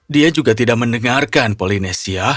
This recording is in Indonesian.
dia juga tidak mendengarkan polinesia